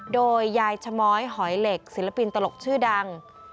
โดยยายชะม้อยหอยเหล็กศิลปินตลกชื่อดัง